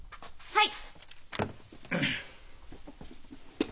はい？